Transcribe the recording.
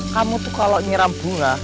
kamu tuh kalau nyeram bunga